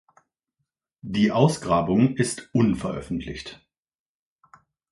Die Ausgrabung ist unveröffentlicht.